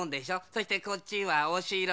そしてこっちはおしろ。